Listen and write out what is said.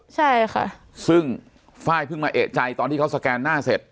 ใช่ค่ะซึ่งไฟล์เพิ่งมาเอกใจตอนที่เขาสแกนหน้าเสร็จ